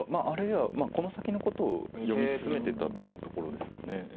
あるいはこの先のことを読み進めていたっていうところですかね。